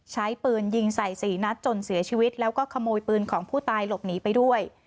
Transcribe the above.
ใช้ปืนยิงใส่๔นัดจนเสียชีวิตแล้วก็ขโมยปืนของผู้ตายหลบหนีไปด้วย